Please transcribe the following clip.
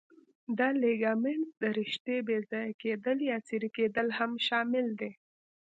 د لیګامنت د رشتې بې ځایه کېدل یا څیرې کېدل هم شامل دي.